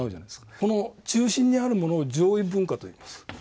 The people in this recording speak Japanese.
この中心にあるものを「上位文化」といいます。